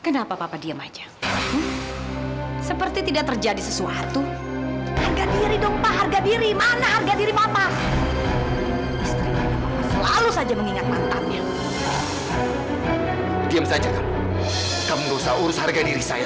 sampai jumpa di video selanjutnya